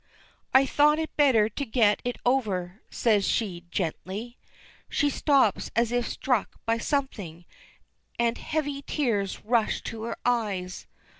"I thought it better to get it over," says she, gently. She stops as if struck by something, and heavy tears rush to her eyes.